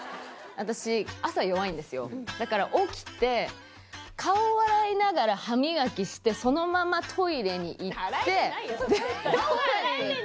私朝弱いんですよだから起きて顔を洗いながら歯磨きしてそのままトイレに行って。